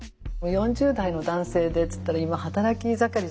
４０代の男性でっつったら今働き盛りじゃないですか。